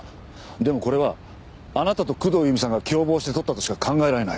でもこれはあなたと工藤由美さんが共謀して撮ったとしか考えられない。